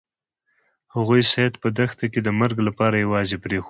هغوی سید په دښته کې د مرګ لپاره یوازې پریښود.